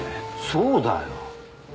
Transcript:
そうだよ